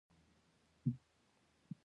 مار زهرجن دی